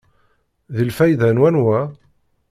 Deg lfayda n wanwa?